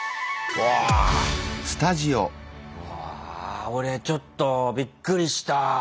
わあ俺ちょっとびっくりした！